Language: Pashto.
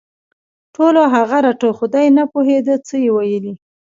ټولو هغه رټه خو دی نه پوهېده څه یې ویلي